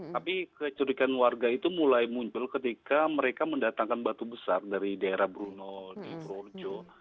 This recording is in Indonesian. tapi kecurigaan warga itu mulai muncul ketika mereka mendatangkan batu besar dari daerah bruno di purworejo